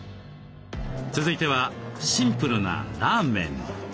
続いてはシンプルなラーメン。